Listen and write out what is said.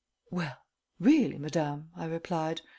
"Well really, madame," I replied.